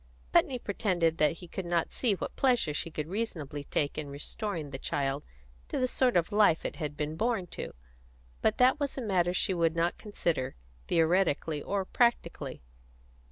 Putney pretended that he could not see what pleasure she could reasonably take in restoring the child to the sort of life it had been born to; but that was a matter she would not consider, theoretically or practically.